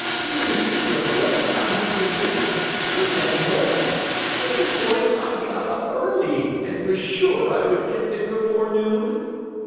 "You see of late I have been late a good many mornings, but this morning I got up early, and was sure I would get there before noon."